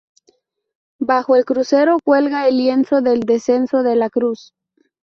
Bajo el crucero cuelga el lienzo del descenso de la Cruz.